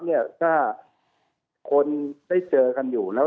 ที่ก็จะเจอผู้ที่ภูทธรณ์